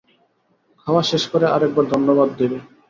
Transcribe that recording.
খাওয়া শেষ করে আর একবার ধন্যবাদ দেবে।